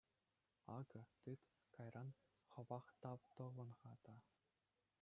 Акӑ, тыт, кайран хӑвах тав тӑвӑн-ха та.